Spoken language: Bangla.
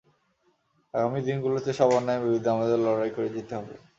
আগামী দিনগুলোতেও সব অন্যায়ের বিরুদ্ধে আমাদের লড়াই করে যেতে হবে।